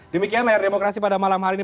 demikian layar demokrasi pada malam hari ini